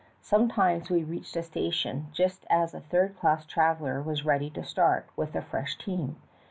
Some times we reached a station just as a third class traveler was ready to start with a fresh team.